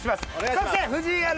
そして、藤井アナ、